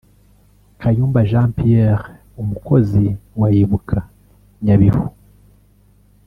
Kayumba Jean Pierre umukozi wa Ibuka Nyabihu